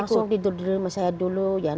langsung tidur di rumah saya dulu ya